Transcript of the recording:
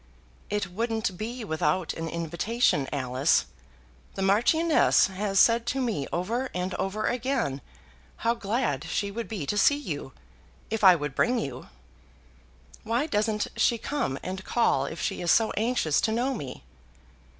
"It wouldn't be without an invitation, Alice. The marchioness has said to me over and over again how glad she would be to see you, if I would bring you." "Why doesn't she come and call if she is so anxious to know me?"